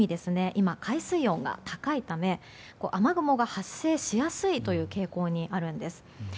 今、海水温が高いため雨雲が発生しやすい傾向にあるんです。